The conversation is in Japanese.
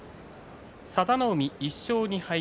佐田の海１勝２敗